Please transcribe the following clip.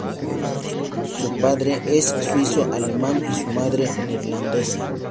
Su padre es suizo-alemán y su madre, neerlandesa.